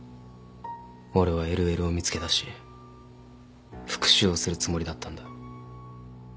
俺はＬＬを見つけだし復讐をするつもりだったんだ。